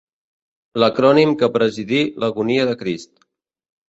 L'acrònim que presidí l'agonia de Crist.